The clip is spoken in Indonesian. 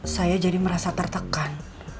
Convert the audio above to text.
saya jadi merasa tertekan